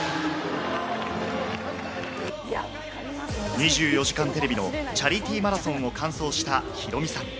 『２４時間テレビ』のチャリティーマラソンを完走したヒロミさん。